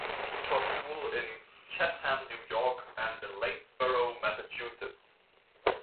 He taught school in Chatham, New York, and in Lanesborough, Massachusetts.